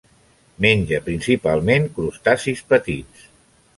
Menja principalment crustacis petits.